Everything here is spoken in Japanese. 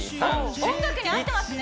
おお音楽に合ってますね